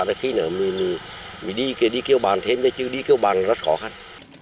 thì khi nào mình đi kêu bạn thêm chứ đi kêu bạn rất khó khăn